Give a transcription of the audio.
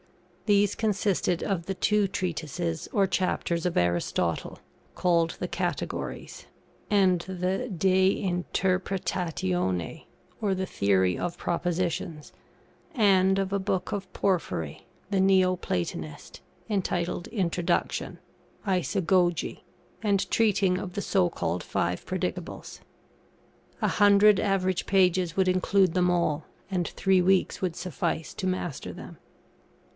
These consisted of the two treatises or chapters of Aristotle called the "Categories," and the "De Interpretatione," or the Theory of Propositions; and of a book of Porphyry the Neo Platonist, entitled 'Introduction' (Isagoge), and treating of the so called Five Predicables. A hundred average pages would include them all; and three weeks would suffice to master them.